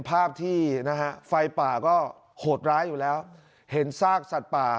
ภาพที่นะฮะไฟป่าก็โหดร้ายอยู่แล้วเห็นซากสัตว์ป่า